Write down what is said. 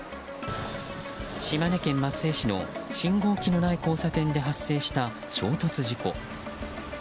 島根県松江市の信号機のない交差点で発生した、衝突事故。